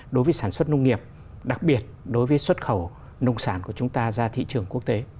đối với sản xuất nông nghiệp đặc biệt đối với xuất khẩu nông sản của chúng ta ra thị trường quốc tế